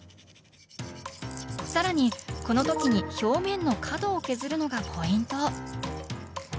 更にこの時に表面の角を削るのがポイント。